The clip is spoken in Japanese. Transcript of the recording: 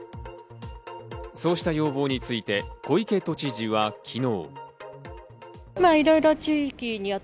そうした要望について小池都知事は昨日。